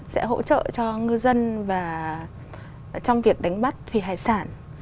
sẽ hỗ trợ cho ngư dân và trong việc đánh bắt thủy hải sản